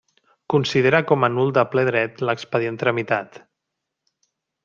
Considera com a nul de ple dret l'expedient tramitat.